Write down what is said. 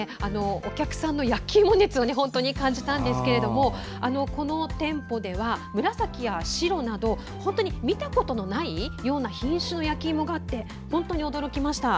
お客さんの焼きいも熱を感じたんですけどこの店舗では、紫や白など本当に見たことのないような品種の焼きいもがあって本当に驚きました。